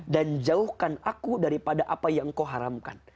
dan jauhkan aku daripada apa yang kau haramkan